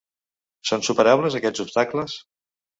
Són superables aquests obstacles?